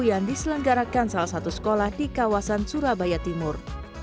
yang diselenggarakan salah satu sekolah di kawasan surabaya timur